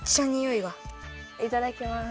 いただきます！